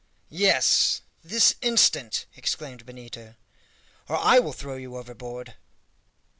"Yes, this instant!" exclaimed Benito, "or I will throw you overboard."